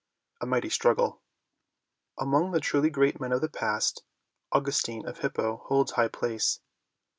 no A MIGHTY STRUGGLE. MONO the truly great men of the past, Augustine of Hippo holds high place.